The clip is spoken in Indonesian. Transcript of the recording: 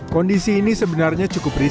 kondisi ini sebenarnya cukup risma